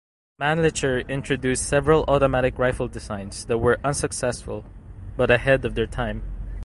Mannlicher introduced several automatic rifle designs that were unsuccessful, but ahead of their time.